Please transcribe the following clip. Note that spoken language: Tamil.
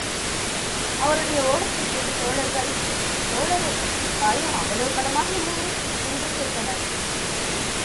அவருடைய ஒலத்தைக் கேட்ட தோழர்கள், தோழரே, காயம் அவ்வளவு பலமாக இல்லையே? என்று கேட்டனர்.